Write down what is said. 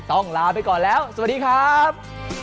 ลาไปก่อนแล้วสวัสดีครับ